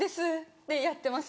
ってやってます